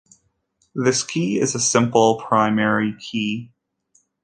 This key is a simple primary key.